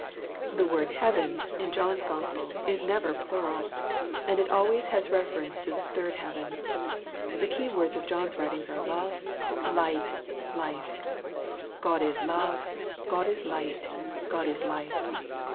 The word " heaven " in John's Gospel is never plural, and it always has reference to the third heaven. The key words of John's writings are love, light, 76 THE PEACTICE OF PEAYEE life. " God is love," " God is light," " God is life."